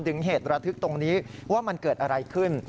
เหตุระทึกตรงนี้ว่ามันเกิดอะไรขึ้น